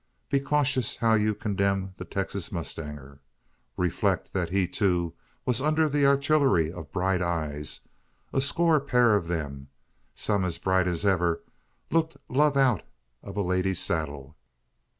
Be cautious how you condemn the Texan mustanger. Reflect, that he, too, was under the artillery of bright eyes a score pair of them some as bright as ever looked love out of a lady's saddle.